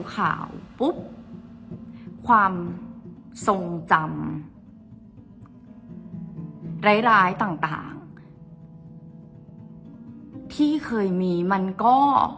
ข่าวปุ๊บความทรงจำร้ายร้ายต่างที่เคยมีมันก็